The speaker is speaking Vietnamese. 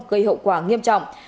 gây hậu quả nghiêm trọng